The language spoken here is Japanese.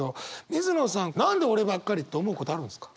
水野さん何で俺ばっかりって思うことあるんですか？